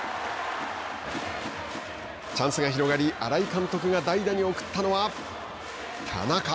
チャンスが広がり新井監督が代打に送ったのは田中。